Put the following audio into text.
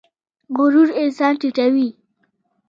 غرور انسان ټیټوي